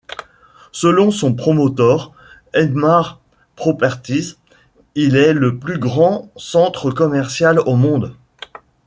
Selon son promoteur, Emaar Properties, il est le plus grand centre commercial au monde.